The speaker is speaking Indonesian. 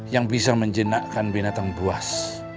yang bisa menjenakkan binatang buas